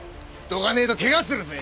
どかねえとけがするぜ！